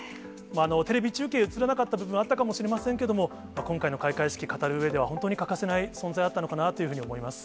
テレビ中継、映らなかった部分もあったかもしれませんけれども、今回の開会式、語るうえでは、本当に欠かせない存在だったのかなぁというふうに思います。